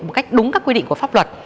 một cách đúng các quy định của pháp luật